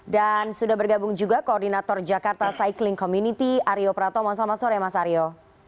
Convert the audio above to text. dan sudah bergabung juga koordinator jakarta cycling community aryo pratomo selamat sore mas aryo